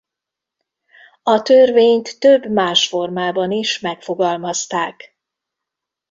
A törvényt több más formában is megfogalmazták.